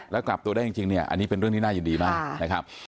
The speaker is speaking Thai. แล้วกลับตัวได้จริงเนี่ยอันนี้เป็นเรื่องที่น่ายินดีมากนะครับ